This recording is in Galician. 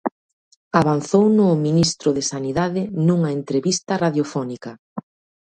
Avanzouno o ministro de Sanidade nunha entrevista radiofónica.